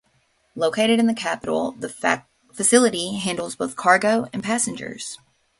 Located in the capital, the facility handles both cargo and passengers.